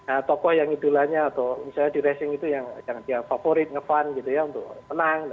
siapa yang tokoh yang idulanya atau misalnya di racing itu yang favorit ngefund gitu ya untuk menang